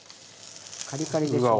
カリカリでしょ。